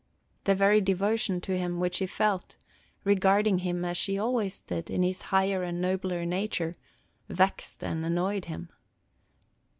The very devotion to him which she felt, regarding him, as she always did, in his higher and nobler nature, vexed and annoyed him.